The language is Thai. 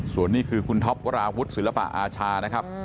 ส่วนนี้คือคุณท็อปวราวุฒิศิลปะอาชานะครับ